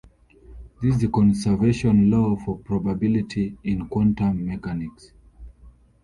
This is the conservation law for probability in quantum mechanics.